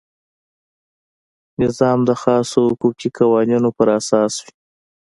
نظام د خاصو حقوقي قوانینو په اساس وي.